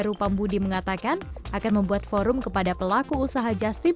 dirjen beacukai heru pambudi mengatakan akan membuat forum kepada pelaku usaha justip